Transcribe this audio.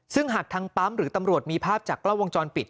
ซึ่งหากทางปั๊มหรือตำรวจมีภาพจากกล้องวงจรปิด